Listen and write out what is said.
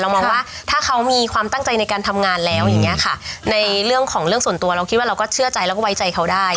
มองว่าถ้าเขามีความตั้งใจในการทำงานแล้วอย่างเงี้ยค่ะในเรื่องของเรื่องส่วนตัวเราคิดว่าเราก็เชื่อใจแล้วก็ไว้ใจเขาได้